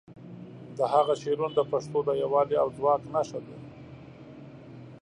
د هغه شعرونه د پښتو د یووالي او ځواک نښه دي.